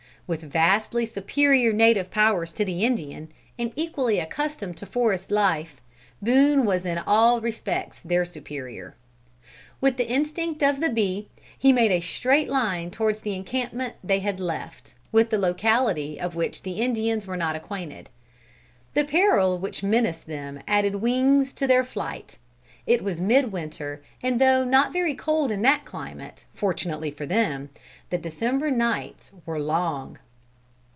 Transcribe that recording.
With vastly superior native powers to the Indian, and equally accustomed to forest life, Boone was in all respects their superior. With the instinct of the bee, he made a straight line towards the encampment they had left, with the locality of which the Indians were not acquainted. The peril which menaced them added wings to their flight. It was mid winter, and though not very cold in that climate, fortunately for them, the December nights were long.